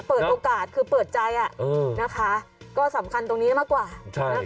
เปิดโอกาสคือเปิดใจนะคะก็สำคัญตรงนี้มากกว่านะคะ